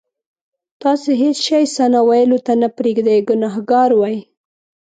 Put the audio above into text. تاسې هېڅ شی ثنا ویلو ته نه پرېږدئ ګناهګار وئ.